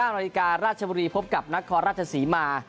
๑๙นาฬิการาชบุรีพบกับนักคอราชสีมา